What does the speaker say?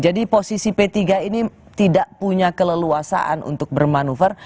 jadi posisi p tiga ini tidak punya keleluasaan untuk bermanuver